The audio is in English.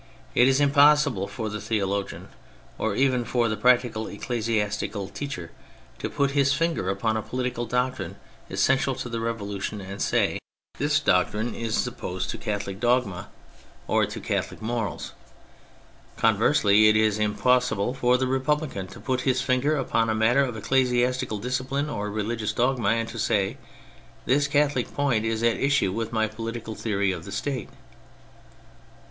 It is impossible for the theologian, or even for the practical ecclesiastical teacher, to put his finger upon a political doctrine essential to the Revolution and to say, " This doctrine THE CATHOLIC CHURCH 219 is opposed to Catholic dogma or to Catholic morals." Conversely, it is impossible for the Republican to put his finger upon a matter of ecclesiastical discipline or religious dogma and to say, " This Catholic point is at issue with my political theory of the State."